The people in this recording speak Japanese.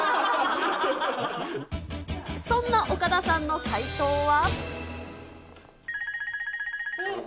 そんな岡田さんの回答は。